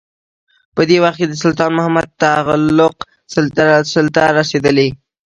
په دې وخت کې د سلطان محمد تغلق سلطه رسېدلې.